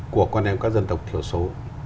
của con em các dân tộc thiểu số